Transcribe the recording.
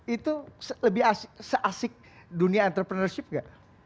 itu lebih se asik dunia entrepreneurship gak